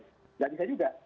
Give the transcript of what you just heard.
nggak bisa juga